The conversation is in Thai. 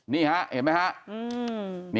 นี่เห็นไหมครับ